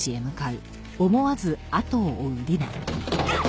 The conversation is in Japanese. あっ！